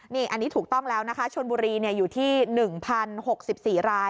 นี่อันนี้ถูกต้องแล้วนะคะชนบุรีอยู่ที่๑๐๖๔ราย